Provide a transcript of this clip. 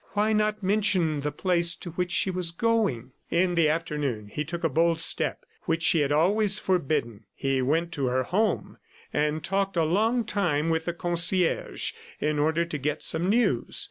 Why not mention the place to which she was going? ... In the afternoon, he took a bold step which she had always forbidden. He went to her home and talked a long time with the concierge in order to get some news.